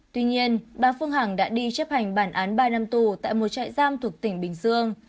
tuy nhiên bà phương hằng đã đi chấp hành bản án ba năm tù tại một trại giam thuộc tỉnh bình dương